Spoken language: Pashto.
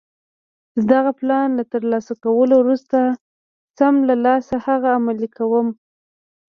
د دغه پلان له ترلاسه کولو وروسته سم له لاسه هغه عملي کوم.